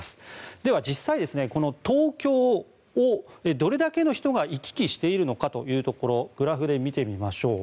では、実際、東京をどれだけの人が行き来しているのかというところをグラフで見てみましょう。